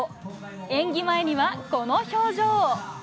演技前には、この表情。